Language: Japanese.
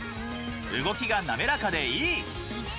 動きが滑らかでいい！